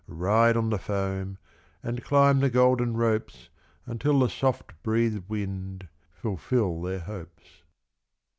Ride on the foam, and climb the golden ropes Until the soft breathed wind fulfil their hopes.